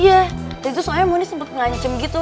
iya tadi tuh soalnya mondi sempet ngancem gitu